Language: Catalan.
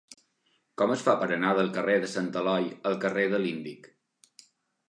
Com es fa per anar del carrer de Sant Eloi al carrer de l'Índic?